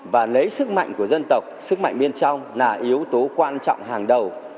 và lấy sức mạnh của dân tộc sức mạnh bên trong là yếu tố quan trọng hàng đầu